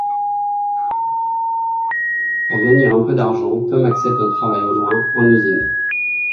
Pour gagner un peu d'argent, Tom accepte un travail au loin, en usine...